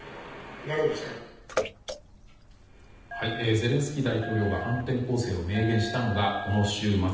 ゼレンスキー大統領が反転攻勢を明言したのがこの週末。